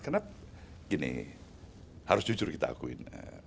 karena gini harus jujur kita akuin